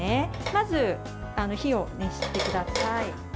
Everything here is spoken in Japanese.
まず火を熱してください。